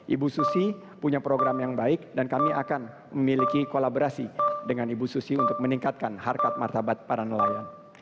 ibu susi punya program yang baik dan kami akan memiliki kolaborasi dengan ibu susi untuk meningkatkan harkat martabat para nelayan